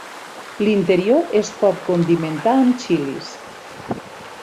L'interior es pot condimentar amb xilis.